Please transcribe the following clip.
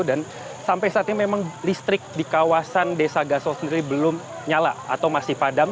dan sampai saat ini memang listrik di kawasan desa gasol sendiri belum nyala atau masih padam